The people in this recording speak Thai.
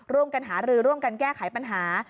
ร่วมกันหารือร่วมกันแก้ไขปัญหา